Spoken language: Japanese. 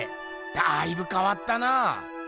だいぶかわったな。